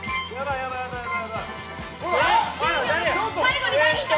最後に大ヒント！